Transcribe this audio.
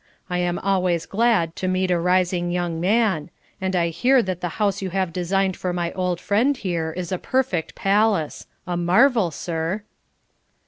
I am always glad to meet a rising young man, and I hear that the house you have designed for my old friend here is a perfect palace a marvel, sir!"